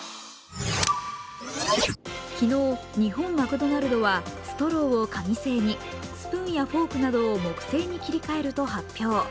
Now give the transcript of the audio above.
昨日、日本マクドナルドはストローを紙製に、スプーンやフォークなどを木製に切り替えると発表。